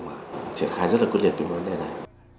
mà triển khai rất là quyết liệt cái vấn đề này